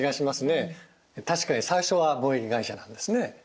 確かに最初は貿易会社なんですね。